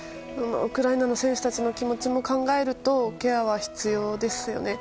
ウクライナの選手たちの気持ちも考えるとケアは必要ですよね。